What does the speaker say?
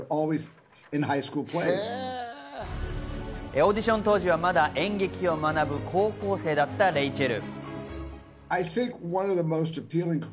オーディション当時はまだ演劇を学ぶ高校生だったレイチェル。